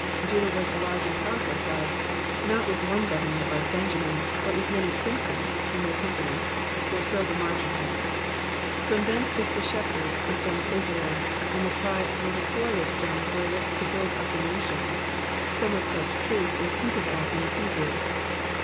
''^ Judah was a large and powerful tribe, not with one governor, like Benjamin, but with many princes *' and their company," for so the margin has it. '* From thence is the shepherd, the stone of Israel," and the tribe was a quarry of stones wherewith to build up the nations : some such truth is hinted at in the Hebrew.